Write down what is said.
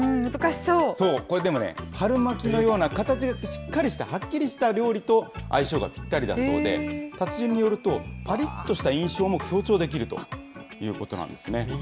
そう、これ、でもね、春巻きのような形がしっかりした、はっきりした料理と相性がぴったりだそうで、達人によると、ぱりっとした印象も強調できるということなんですね。